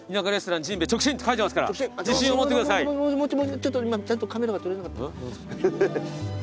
ちょっと今ちゃんとカメラが撮れなかった。